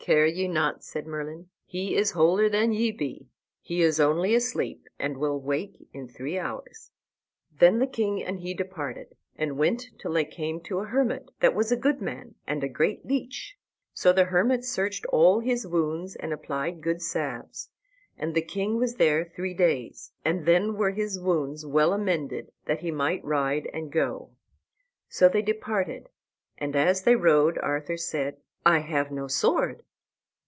"Care ye not," said Merlin; "he is wholer than ye be. He is only asleep, and will wake in three hours." Then the king and he departed, and went till they came to a hermit, that was a good man and a great leech. So the hermit searched all his wounds, and applied good salves; and the king was there three days, and then were his wounds well amended, that he might ride and go. So they departed, and as they rode Arthur said, "I have no sword."